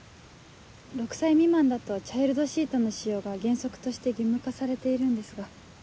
６歳未満だとチャイルドシートの使用が原則として義務化されているんですが。